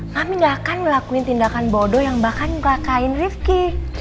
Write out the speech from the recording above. mami gak akan melakukan tindakan bodoh yang bahkan melakain rifki